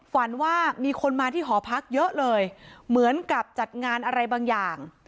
ฝันว่ามีคนมาที่หอพักเยอะเลยเหมือนกับจัดงานอะไรบางอย่าง